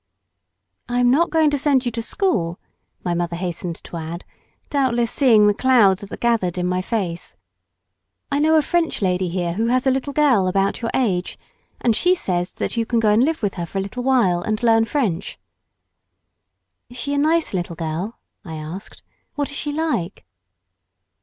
"I am not going to send you to school," my mother hastened to add, doubtless seeing the cloud that gathered in my face. "I know a French lady here who has a little girl about your age, and she says that you can go and live with her for a little while and learn French." "Is she a nice little girl," I asked. "What is she like?"